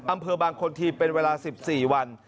อำเภอบางคนทีเป็นเวลา๑๔วัน